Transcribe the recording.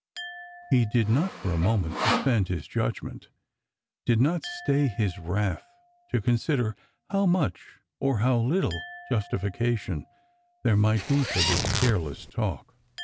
He did not for a moment suspend his judgment, did not stay his wrath to con sider how much or how httle justification thers might be for this careless talk.